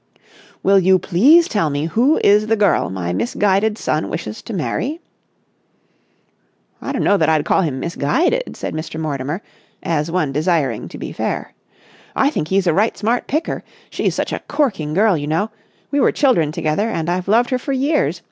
"Will you please tell me who is the girl my misguided son wishes to marry?" "I don't know that I'd call him misguided," said Mr. Mortimer, as one desiring to be fair. "I think he's a right smart picker! She's such a corking girl, you know. We were children together, and I've loved her for years.